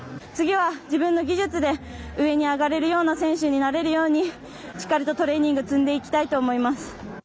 次は、次の技術で上に上がれるような選手になれるようにしっかりとトレーニングを積んでいきたいと思います。